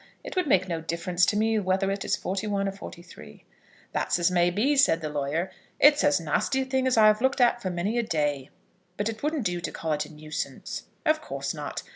It would make no difference to me whether it is forty one or forty three." "That's as may be," said the lawyer. "It's as nasty a thing as I've looked at for many a day, but it wouldn't do to call it a nuisance." "Of course not.